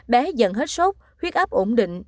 bé dần hết sốt huyết áp ổn định